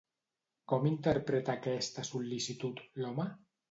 Com interpreta aquesta sol·licitud, l'home?